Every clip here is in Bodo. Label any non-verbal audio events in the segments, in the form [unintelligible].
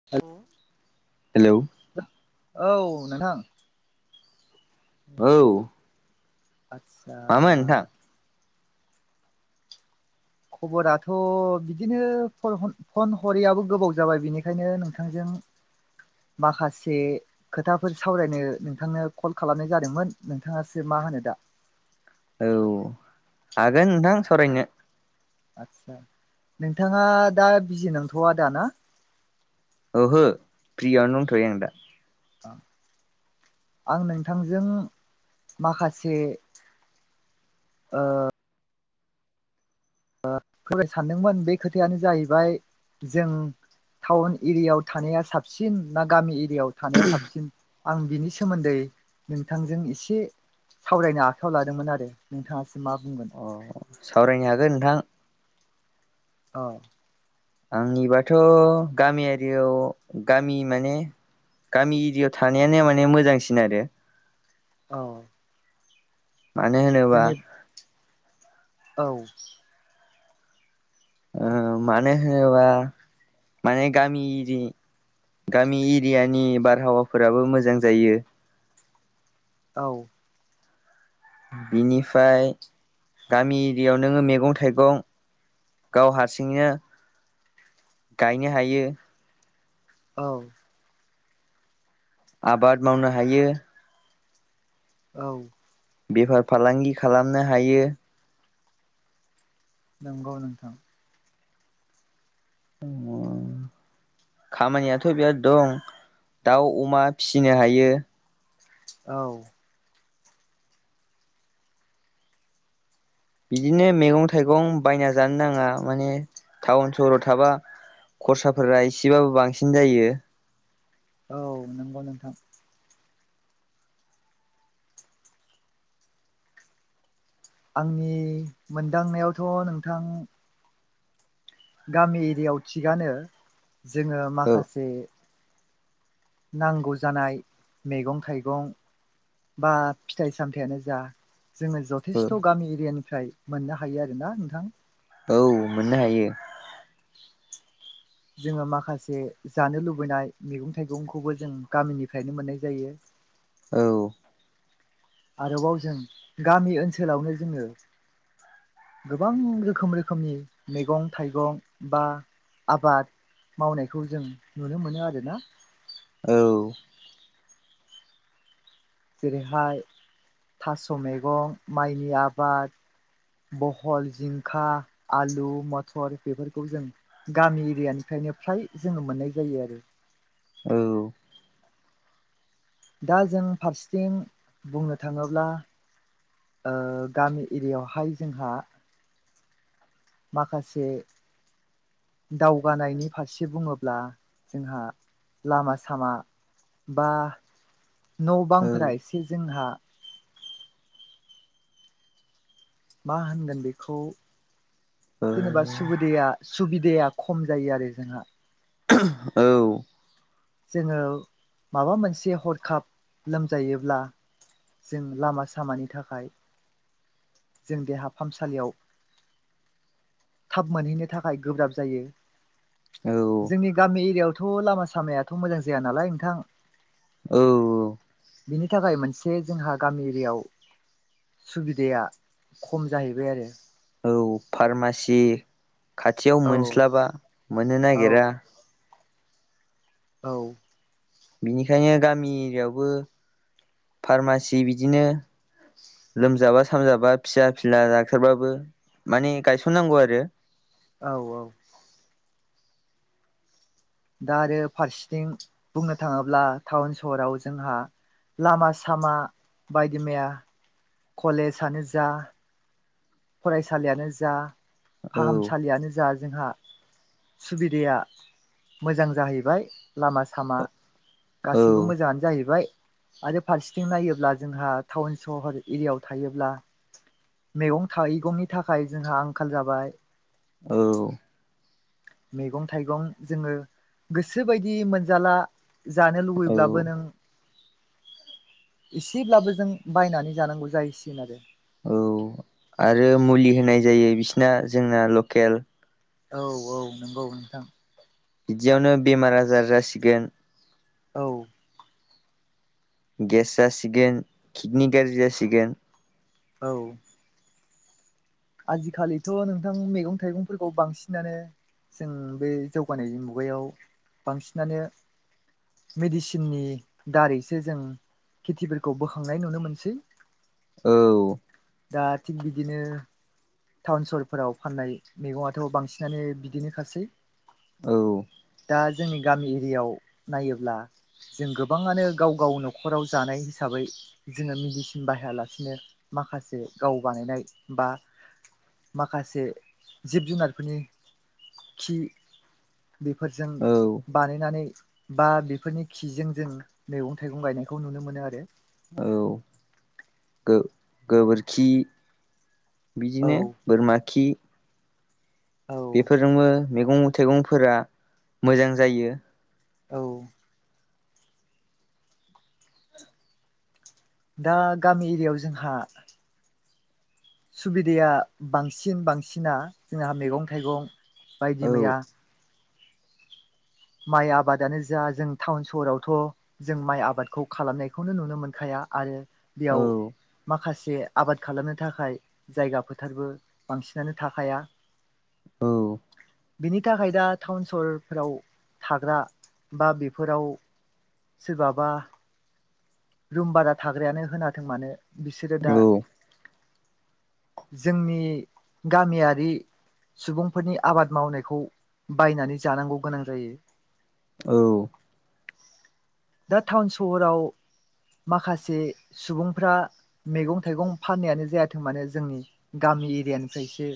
[unintelligible] हेलौ औ नोंथां औ आदसा मामोन नोंथां खबराथ' बिदिनो फन हरैयाबो गोबाव जाबाय बेनिखायनो नोंथांजों माखासे खोथाफोर सावरायनो नोंथांनो कल खालामनाय जादोंमोन नोंथाङासो मा होनो दा। औ हागोन नोंथां सावरायनो। आदसा नोंथाङा दा बिजि नंथ'वा दा ना? ओहो फ्रियावनो दंथ'यो आं दा। आं नोंथांजों माखासे ओ [unintelligible] सानदोंमोन बे खोथायानो जाहैबाय जों टाउन एरियायाव थानाया साबसिन ना गामि एरियायाव थानाया साबसिन आं बिनि सोमोन्दै नोंथांजों एसे सावरायनो आखायाव लादोंमोन आरो नोंथाङासो मा बुंगोन। अ सावरायनो हागोन नोंथां। औ आंनिबाथ' गामियारियाव गामि माने गामि एरियायाव थानायानो माने मोजांसिन आरो। औ मानो होनोबा जेने औ मानो होनोबा माने गामि गामि एरियानि बारहावाफोराबो मोजां जायो औ बिनिफ्राय गामि एरियाव नोङो मैगं थाइगं गाव हारसिंनो गायनो हायो औ आबाद मावनो हायो। औ बेफार फालांगि खालामनो हायो। नंगौ नोंथां अ खामानियाथ' बिराद दं दाउ अमा फिसिनो हायो औ बिदिनो मैगं थाइगं बायना जानो नाङा माने टाउन सहराव थाबा खरसाफोरा इसेबाबो बांसिन जायो औ नंगौ नोंथां आंनि मोनदांनायावथ' नोंथां गामि एरियायाव थिगानो जोङो औ माखासे नांगौ जानाय मैगं थाइगं बा फिथाइ सामथायानो जा जोङो जथ औ जथेस्थ' गामि एरियानिफ्राय मोननो हायो आरोना नोंथां औ मोननो हायो जोङो माखासे जानो लुबैनाय मैगं थाइगंखौबो जों गामिनिफ्रायनो मोननाय जायो औ आरोबाव जों गामि ओनसोलावनो जोङो गोबां रोखोम रोखोमनि मैगं थाइगं बा आबाद मावनायखौ जों नुनो मोनो आरोना औ जेरैहाय थास' मैगं माइनि आबाद बहल जिंखा आलु मथर बेफोरखौ जों गामि एरियानिफ्रायनो फ्राय जोङो मोननाय जायो आरो औ दा जों फारसेथिं बुंनो थाङोब्ला गामि एरियावहाय जोंहा माखासे दावगानायनि फारसे बुङोब्ला जोंहा लामा सामा बा न' बांफोरा एसे जोंहा मा होनगोन बेखौ जेनेबा सुबुदेया सुबिदाया खम जायो आरो जोंहा औ जोङो माबा मोनसे हरखाब लोमजायोब्ला जों लामा सामानि थाखाय जों देहा फाहामसालियाव थाब मोनहैनो थाखाय गोब्राब जायो औ जोंनि गामि एरियावथ' लामा सामायाथ' मोजां जाया नालाय नोंथां औ औ बिनि थाखाय मोनसे जोंहा गामि एरियाव सुबिदाया खम जाहैबाय आरो फार्मासि खाथियाव आरो मोनस्लाबा मोननो औ नागिरा औ बिनिखायनो गामि एरियावबो फार्मासि बिदिनो लोमजाबा साजाबा फिसा फिला डक्टारबाबो माने गायसननांगौ आरो औ-औ दा आरो फारसेथिं बुंनो थाङोब्ला टाउन सहराव जोंहा लामा सामा बायदि मैया कलेजानो जा फरायसालियानो जा औ औ फाहामसालियानो जा जोंहा सुबिदाया मोजां जाहैबाय लामा सामा गासिबो मोजाङानो जाहैबाय आरो फारसेथिं नायोब्ला जोंहा टाउन सहर एरियाव थायोब्ला मैगं मैगं थाइगंनि थाखाय जोंहा आंखाल जाबाय औ मैगं थाइगं जोङो गोसोबायदि मोनजाला जानो औ लुबैब्लाबो नों एसेब्लाबो जों बायनानै जानांगौ जायैसिगोन आरो औ आरो मुलि होनाय जायो बिसिना जोंना लकेल औ औ नंगौ नोंथां बिदियावनो बेमार आजार जासिगोन औ गेस जासिगोन किडनि गाज्रि जासिगोन औ आजिखालिथ' नोंथां मैगं थाइगंफोरखौ बांसिनानो जों बे जौगानाय मुगायाव बांसिनानो मेडिसिननि दारैसो जों खेथिफोरखौ बोखांनाय नुनो मोनसै औ दा थिग बिदिनो टाउन सोहरफोराव फाननाय मैगङाथ' बांसिनानो बिदिनोखासै औ दा जोंनि गामि एरियायाव नायोब्ला जों गोबाङानो गाव गाव न'खराव जानाय हिसाबै जोङो मेडिसिन बाहायालासिनो माखासे गाव बानायनाय बा माखासे जिब जुनारफोरनि खि बेफोरजों बानायनानै बा बेफोरनि खिजों जों मैगं थाइगं गायनायखौ नुनो मोनो आरो औ औ गोबोरखि औ बिदिनो बोरमा खि औ बेफोरजोंबो मैगं थाइगंफोरा मोजां जायो औ दा गामि एरियायाव जोंहा सुबिदाया बांसिन बांसिना जोंहा मैगं थाइगं बायदि औ मैया माइ आबादानो जा जों टाउन सहरावथ' जों माइ आबादखौ खालामनायखौनो नुनो मोनखाया आरो औ बेयाव माखासे आबाद खालामनो थाखाय जायगा फोथारबो बांसिनानो थाखायाया [unintelligible] औ बिनि थाखाय दा टाउन सहरफ्राव थाग्रा बा बेफोराव सोरबाबा रुम बारा थाग्रायानो होनाथों मानो बिसोरो दा औ जोंनि गामियारि सुबुंफोरनि आबाद मावनायखौ बायनानै जानांगौ गोनां जायो औ दा टाउन सहराव माखासे सुबुंफ्रा मैगं थाइगं फाननायानो जायाथों माने जोंनि गामि एरियानिफ्रायसो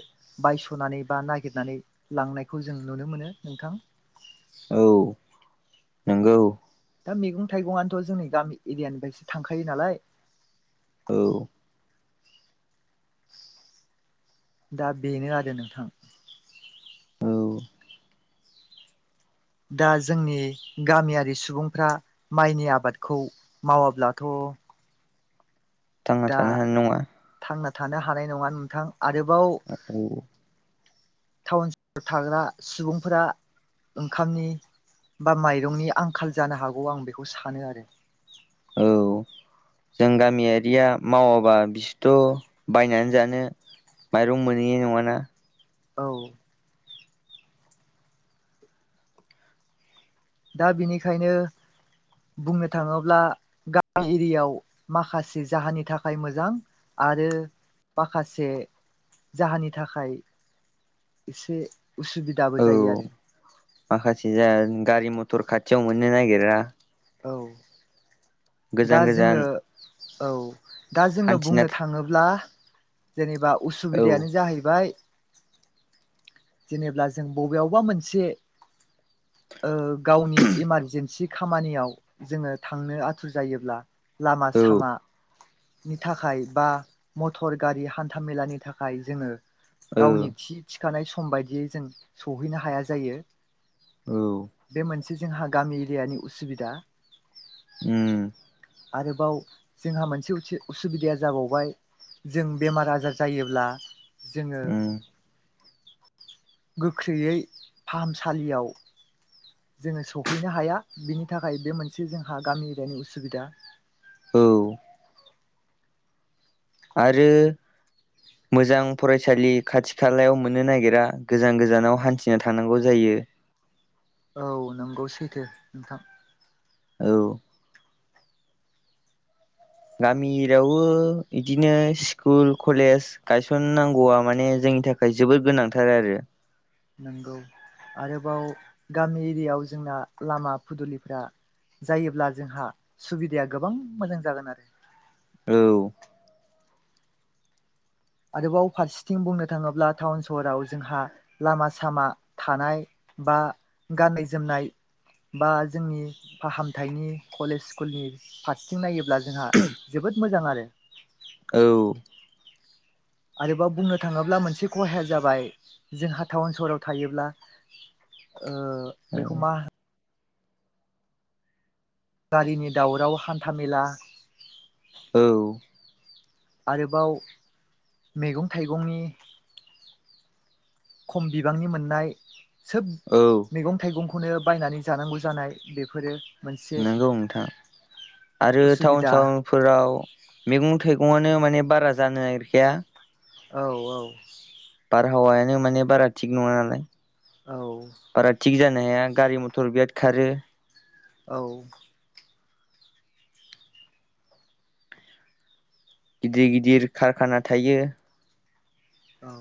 बायस'नानै बा नागिरनानै लांनायखौ जों नुनो मोनो नोंथां औ नंगौ दा मैगं थाइगंनोथ' जोंनि गामि एरियानिफ्रायसो थांखायो नालाय औ दा बेनो आरो नोंथां औ दा जोंनि गामियारि सुबुंफ्रा माइनि आबादखौ मावाब्लाथ' थांना दा थानो हानाय नङा। थांना थानो हानाय नङा नोंथां आरोबाव औ टाउन सहराव थाग्रा सुबुंफोरा ओंखामनि बा माइरंनि आंखाल जानो हागौ आं बेखौ सानो आरो औ जों गामियारिया मावाबा बिसोरथ' बायनानै जानो माइरं मोनोहैय नङाना औ दा बिनिखायनो बुंनो थाङोब्ला गामि एयाव माखासे जाहोनानि थाखाय मोजां आरो माखासे जाहोननि थाखाय एसे उसुबिदाबो औ जायो आरो। माखासे जाया गारि मथर खाथियाव मोननो नागिरा औ दा गोजान गोजान जोङो औ दा जोङो हान्थिना बुंनो थाङोब्ला जेनेबा औ उसुबिदायानो जाहैबाय जेनेब्ला जों बबेयावबा मोनसे गावनि इमारजेन्सि खामानियाव जोङो थांनो। दुखु जायोब्ला लामा औ सामा नि थाखाय बा मटर गारि हान्था मेलानि थाखाय जोङो। औ गावनि थि थिखानाय सम बायदियै जों सहैनो हाया जायो। औ बे मोनसे जोंहा गामि एरियानि उसुबिदा उम आरोबाव जोंहा मोनसे उसुबिदाया जाबावबाय जों बेमार आजार जायोब्ला जोङो उम गोख्रैयै फाहामसालियाव जोङो सहैनो हाया बिनि थाखाय बे मोनसे जोंहा गामि एरियानि उसुबिदा औ आरो मोजां फरायसालि खाथि खालायाव मोननो नागिरा गोजान गोजानाव हान्थिनो थानांगौ जायो। औ नंगौ सैथो नोंथां औ गामियावबो बिदिनो स्कुल कलेज गायसननांगौआ माने जोंनि थाखाय जोबोद गोनांथार आरो नंगौ आरोबाव गामि एरियायाव जोंना लामा फुदुलिफ्रा जायोब्ला जोंहा सुबिदाया गोबां मोजां जागोन आरो औ आरोबाव फारसेथिं बुंनो थाङोब्ला टाउन सहराव जोंहा लामा सामा थानाय बा गाननाय जोमनाय बा जोंनि फाहामथायनि कलेज स्कुलनि फारसेथिं नायोब्ला जोंहा जोबोद मोजां आरो औ आरोबाव बुंनो थाङोब्ला मोनसे खहाया जाबाय जोंहा टाउन सहाव थायोब्ला। ओ बेखौ मा गारिनि दावराव हान्थामेला औ आरोबाव मैगं थाइगंनि खम बिबांनि मोननाय सोब औ मैगं थाइगंखौनो बायनानै जानांगौ जानाय बेफोरो मोनसे नंगौ नोंथां आरो टाउन उसुबिदा सहरफोराव मैगं थाइगङानो माने बारा जानो नागिरखाया औ औ बारहावायानो माने बारा थिग नङा नालाय औ बारा थिग जानो हाया गारि मथर बिराद खारो औ गिदिर गिदिर कारखाना थायो। औ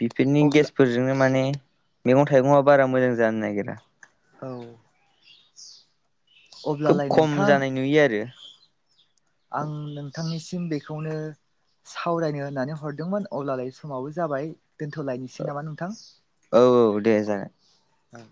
बेफोरनि अब्ला गेसफोरजोंनो माने मैगं-थाइगंआ बारा मोजां जानो नागिरा। औ खोब अब्लालाय खम नोंथां जानाय नुयो आरो आं नोंथांनिसिम बेखौनो सावरायनो होननानै हरदोंमोन अब्लालाय समाबो जाबाय दोनथ'लायनोसै नामा नोंथां। औ औ दे जागोन औ